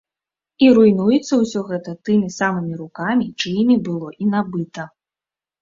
І руйнуецца ўсё гэта тымі самымі рукамі, чыімі было і набыта.